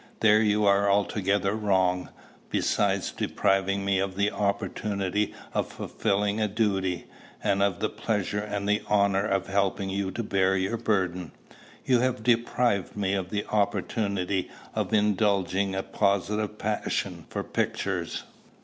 "There you are altogether wrong. Besides depriving me of the opportunity of fulfilling a duty, and of the pleasure and the honor of helping you to bear your burden, you have deprived me of the opportunity of indulging a positive passion for pictures.